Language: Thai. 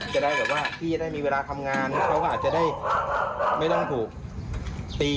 จะได้แบบว่าพี่จะได้มีเวลาทำงานแล้วเขาก็อาจจะได้ไม่ต้องถูกตี